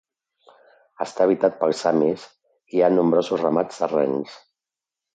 Està habitat pels samis i hi ha nombrosos ramats de rens.